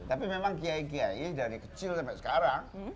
tapi memang kiai kiai dari kecil sampai sekarang